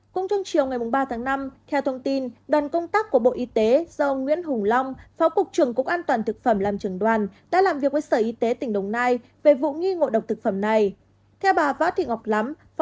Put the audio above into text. cũng trong chiều ngày ba tháng năm theo thông tin đoàn công tác của bộ y tế do ông nguyễn hùng long phó cục trưởng cục an toàn thực phẩm làm trưởng đoàn đã làm việc với sở y tế tỉnh đồng nai về vụ nghi ngộ độc thực phẩm này